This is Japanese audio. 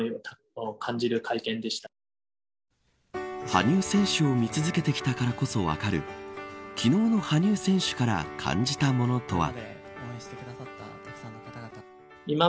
羽生選手を見続けてきたからこそ分かる昨日の羽生選手から感じたものとは。